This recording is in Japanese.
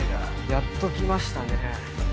やっと来ましたね。